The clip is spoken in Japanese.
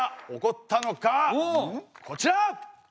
こちら！